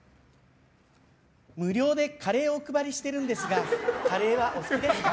無料でカレーをお配りしてるんですがカレーはお好きですか？